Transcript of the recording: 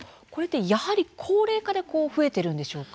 やはり高齢化で増えているんでしょうか。